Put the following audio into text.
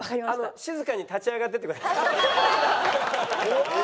静かに立ち上がっててください。